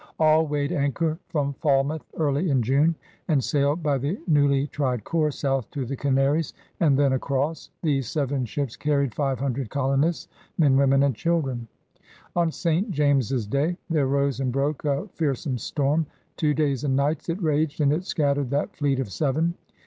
All weighed anchor from Falmouth early in June and sailed by the newly tried course, south to the Canaries THE SEA ADVENTURE 61 and thai across. These seven ships carried five hundred colonists, men, women, and children. On St. Jameses day there rose and broke a fear some storm. Two days and nights it raged, and it scattered that fleet of seven.